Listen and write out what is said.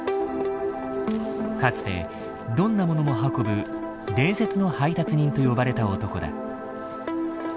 かつてどんなものも運ぶ「伝説の配達人」と呼ばれた男だ。